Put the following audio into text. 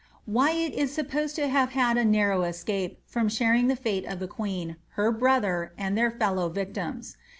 Wyatt is supposed to have had a narrow escape from sharing the (ate of the queen, her brother, and tlieir fellow victims.